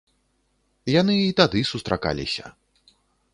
Яны і тады сустракаліся.